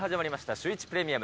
シューイチプレミアム。